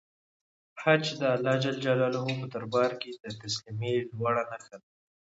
حج د الله په دربار کې د تسلیمۍ لوړه نښه ده.